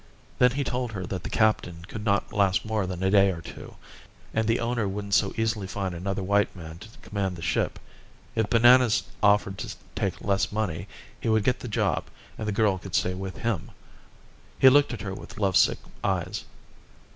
Then he told her that the captain could not last more than a day or two, and the owner wouldn't so easily find another white man to command the ship. If Bananas offered to take less money he would get the job and the girl could stay with him. He looked at her with love sick eyes.